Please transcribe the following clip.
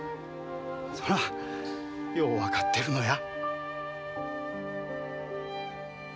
そらよう分かってるのや。